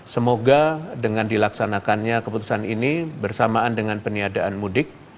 semoga dengan dilaksanakannya keputusan ini bersamaan dengan peniadaan mudik